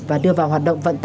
và đưa vào hoạt động vận chuyển